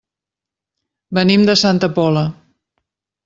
Venim de Santa Pola.